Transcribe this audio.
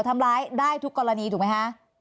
ทำร้ายได้ทุกกรณีถูกไหมคะ